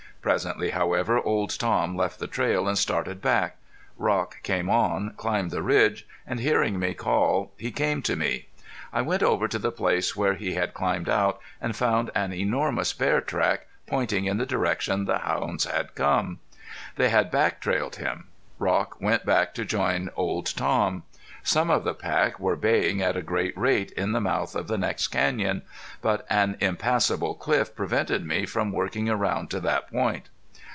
Presently, however, Old Tom left the trail and started back. Rock came on, climbed the ridge, and hearing me call he came to me. I went over to the place where he had climbed out and found an enormous bear track pointing in the direction the hounds had come. They had back trailed him. Rock went back to join Old Tom. Some of the pack were baying at a great rate in the mouth of the next canyon. But an impassable cliff prevented me from working around to that point.